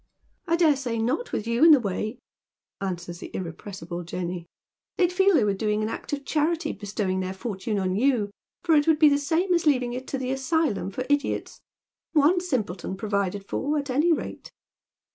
" I dare say not, with you in the way," answers the irrepressible Jenny. " They'd feel they were doing an act of charity bestow ing their fortune on you, for it would be the same as leaving it to the Asylum for Idiots. One simpleton provided for, at any rate."